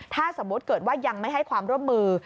ถ้าสมมุติเกิดว่ายังไม่ให้ความร่วมมือ